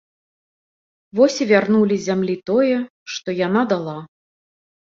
Вось і вярнулі зямлі тое, што яна дала.